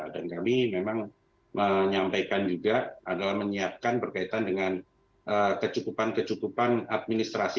dan kami memang menyampaikan juga adalah menyiapkan berkaitan dengan kecukupan kecukupan administrasi